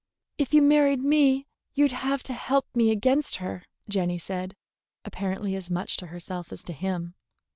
"If you married me, you'd have to help me against her," Jenny said, apparently as much to herself as to him.